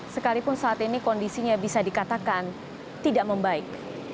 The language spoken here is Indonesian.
sekalipun saat ini kondisinya bisa dikatakan tidak membaik